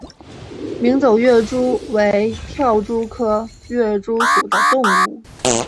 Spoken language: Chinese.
鸣走跃蛛为跳蛛科跃蛛属的动物。